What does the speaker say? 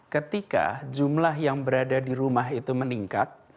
ketika jumlah yang berada di rumah itu meningkat